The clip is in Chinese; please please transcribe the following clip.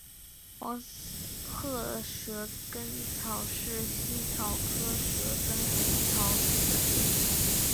黄褐蛇根草是茜草科蛇根草属的植物。